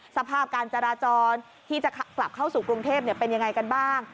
สภาพการจราจรที่จะกลับเข้าสู่กรุงเทพเป็นยังไงกันบ้าง